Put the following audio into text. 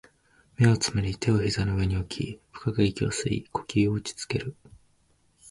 目を瞑り、手を膝の上に置き、深く息を吸い、呼吸を落ち着ける